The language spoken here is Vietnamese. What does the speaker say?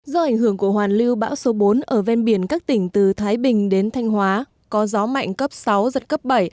do ảnh hưởng của hoàn lưu bão số bốn ở ven biển các tỉnh từ thái bình đến thanh hóa có gió mạnh cấp sáu giật cấp bảy